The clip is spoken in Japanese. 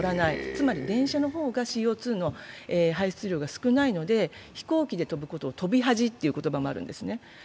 つまり電車の方がＣＯ２の排出量が少ないので飛行機で飛ぶことを飛び恥という言葉もあるんですね。